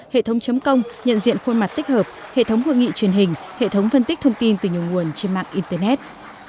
hệ thống chấm công nhận diện khuôn mặt tích hợp hệ thống hội nghị truyền hình hệ thống phân tích thông tin từ nhiều nguồn trên mạng internet